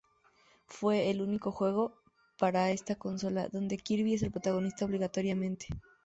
Fue el único juego para esta consola donde Kirby es el protagonista obligatoriamente.